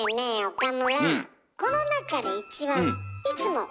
岡村。